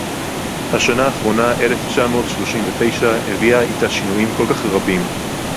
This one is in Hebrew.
השנה האחרונה – אלף תשע מאות שלושים ותשע – הביאה אתה שינויים כל־כך רבים.